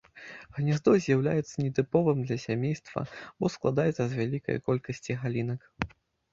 Гняздо з'яўляецца нетыповым для сямейства, бо складаецца з вялікай колькасці галінак.